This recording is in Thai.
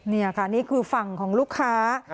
นี่ค่ะนี่คือฝั่งของลูกค้า